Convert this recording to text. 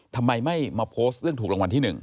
ทำไมไม่มาโพสต์เรื่องถูกรางวัลที่๑